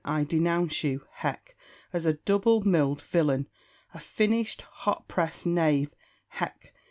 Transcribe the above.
I denounce you (hech!) as a double milled villain, a finished, hot pressed knave (hech!)